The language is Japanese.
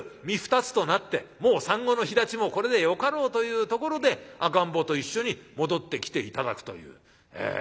身二つとなってもう産後の肥立ちもこれでよかろうというところで赤ん坊と一緒に戻ってきて頂くという。